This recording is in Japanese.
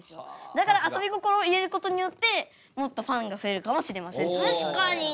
だからあそび心を入れることによってもっとファンが増えるかもしれません。